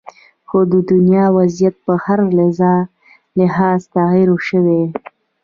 خو د دنیا وضعیت په هر لحاظ تغیر شوې